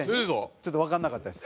ちょっとわかんなかったです。